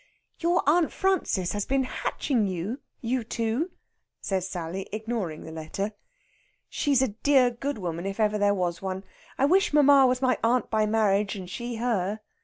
"Your Aunt Frances has been hatching you you two!" says Sally, ignoring the letter. "She is a dear good woman, if ever there was one. I wish mamma was my aunt by marriage, and she her!"